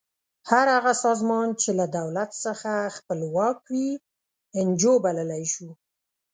هر هغه سازمان چې له دولت څخه خپلواک وي انجو بللی شو.